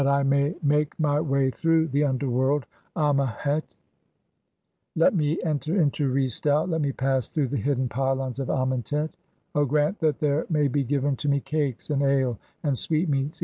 "I may make my way through the underworld (dmmehet), let me "enter into Re stau, let me pass through (10) the hidden pylons "of Amentet. grant that there may be given to me cakes, "(n) and ale, and sweetmeats